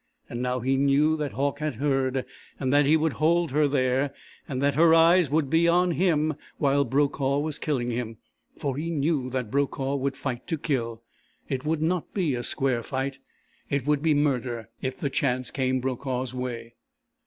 And now he knew that Hauck had heard, and that he would hold her there, and that her eyes would be on him while Brokaw was killing him. For he knew that Brokaw would fight to kill. It would not be a square fight. It would be murder if the chance came Brokaw's way.